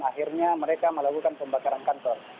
akhirnya mereka melakukan pembakaran kantor